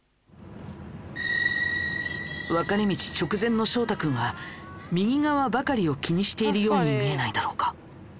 分かれ道直前の翔太君は右側ばかりを気にしているように見えないだろうか。